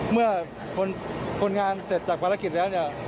เมื่อคนงานเสร็จจากภารกิจแล้วเนี่ย